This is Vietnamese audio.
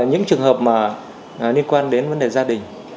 những trường hợp mà liên quan đến vấn đề gia đình